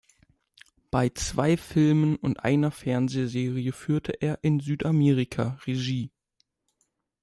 Bei zwei Filmen und einer Fernsehserie führte er in Südamerika Regie.